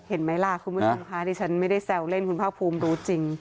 เห็นไหมล่ะคุณพุทธคุณค้าที่ฉันไม่ได้แซวเล่นคุณภาคภูมิรู้จริง